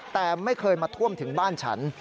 แต่ไม่เคยมาท่วมถึงบ้านฉัน